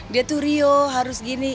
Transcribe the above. dia tuh rio harus gini